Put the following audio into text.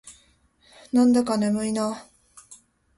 なんだか眠いな。